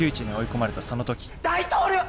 大統領。